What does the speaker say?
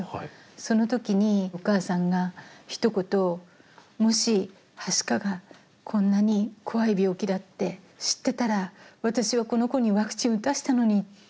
その時にお母さんがひと言「もしはしかがこんなに怖い病気だって知ってたら私はこの子にワクチン打たせたのに」って泣いたんですよ。